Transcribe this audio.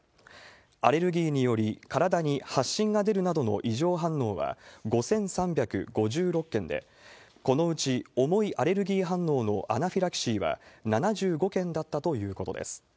アレルギーにより、体に発疹が出るなどの異常反応は５３５６件で、このうち重いアレルギー反応のアナフィラキシーは７５件だったということです。